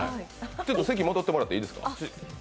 席戻ってもらっていいですか。